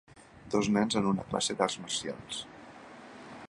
Dos nens en una classe d'arts marcials